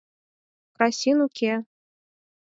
— Красин уке.